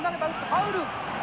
ファウル。